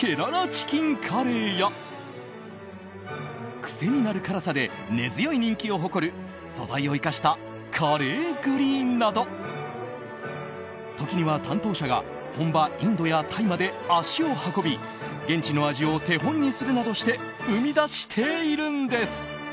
チキンカレーや癖になる辛さで根強い人気を誇る素材を生かしたカレーグリーンなど時には担当者が本場インドやタイまで足を運び現地の味を手本にするなどして生み出しているんです。